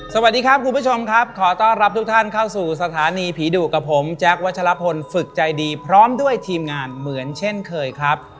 สวัสดีครับคุณผู้ชมครับขอต้อนรับทุกท่านเข้าสู่สถานีผีดุกับผมแจ๊ควัชลพลฝึกใจดีพร้อมด้วยทีมงานเหมือนเช่นเคยครับ